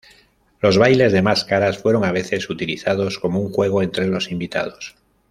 Los bailes de máscaras fueron a veces utilizados como un juego entre los invitados.